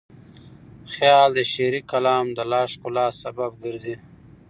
خیال د شعري کلام د لا ښکلا سبب ګرځي.